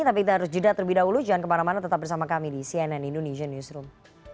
tapi kita harus jeda terlebih dahulu jangan kemana mana tetap bersama kami di cnn indonesian newsroom